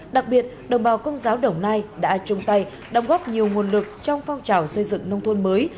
đặc biệt đồng bào công giáo đồng nai đã chung tay đồng góp nhiều nguồn lực trong phong trào xây dựng nông thôn mới